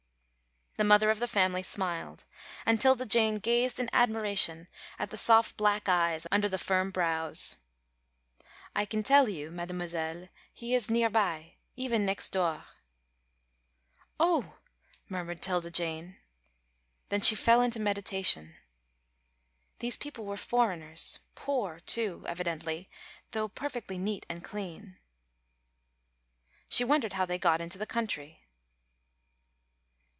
The mother of the family smiled, and 'Tilda Jane gazed in admiration at the soft black eyes under the firm brows. "I can tell you, mademoiselle he is near by, even nex' doah." "Oh!" murmured 'Tilda Jane, then she fell into meditation. These people were foreigners, poor, too, evidently, though perfectly neat and clean. She wondered how they got into the country.